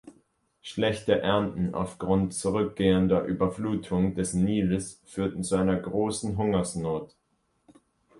Schlechte Ernten aufgrund zurückgehender Überflutung des Nils führten zu einer großen Hungersnot.